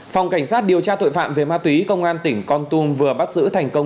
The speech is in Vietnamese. phòng cảnh sát điều tra tội phạm về ma túy công an tỉnh con tum vừa bắt giữ thành công